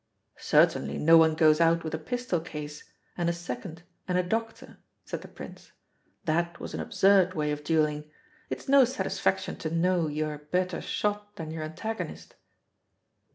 "Certainly no one goes out with a pistol case, and a second, and a doctor," said the Prince; "that was an absurd way of duelling. It is no satisfaction to know that you are a better shot than your antagonist."